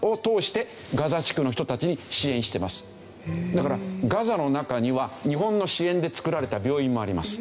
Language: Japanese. だからガザの中には日本の支援で造られた病院もあります。